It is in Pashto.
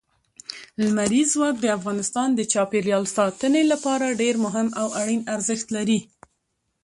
لمریز ځواک د افغانستان د چاپیریال ساتنې لپاره ډېر مهم او اړین ارزښت لري.